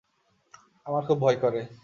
আমার খুব ভয় করে!